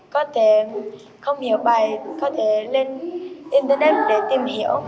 có thể không hiểu bài cũng có thể lên internet để tìm hiểu